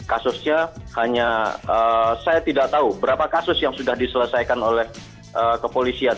kasusnya hanya saya tidak tahu berapa kasus yang sudah diselesaikan oleh kepolisian